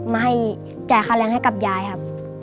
มาให้จ่ายค่าแรงให้กับยายครับ